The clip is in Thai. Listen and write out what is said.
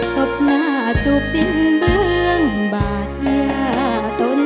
สบหน้าจูบเป็นเบื้องบาทยาตน